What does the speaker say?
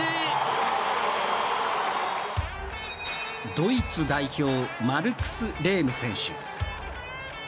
ドイツ代表マルクス・レーム選手。